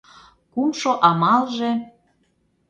Кумшо амалже...